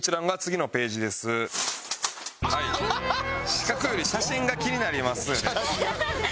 資格より写真が気になりますよね。